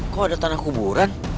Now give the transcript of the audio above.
kok ada tanah kuburan